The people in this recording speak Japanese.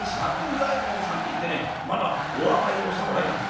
左右衛門さんといってねまだお若いお侍なんでええ。